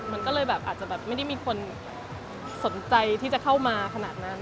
มันก็เลยแบบอาจจะแบบไม่ได้มีคนสนใจที่จะเข้ามาขนาดนั้น